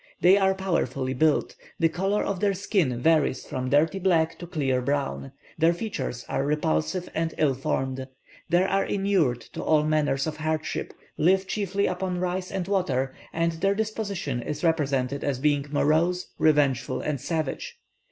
They are powerfully built; the colour of their skin varies from dirty black to clear brown; their features are repulsive and ill formed. They are inured to all manner of hardships, live chiefly upon rice and water, and their disposition is represented as being morose, revengeful, and savage.